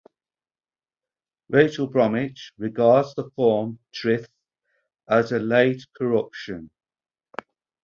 Rachel Bromwich regards the form "Trwyth" as a late corruption.